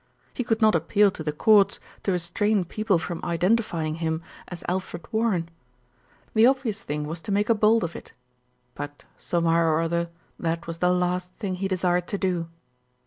He could not appeal to the Courts to restrain people from identify ing him as Alfred Warren. The obvious thing was to 72 THE RETURN OF ALFRED make a bolt of it; but, somehow or other, that was the last thing he desired to do.